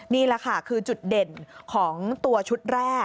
นี่แหละค่ะคือจุดเด่นของตัวชุดแรก